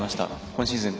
今シーズン